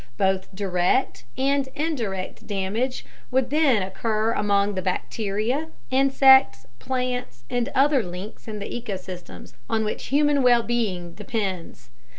Both direct and indirect damage would then occur among the bacteria, insects, plants, and other links in the ecosystems on which human well being depends.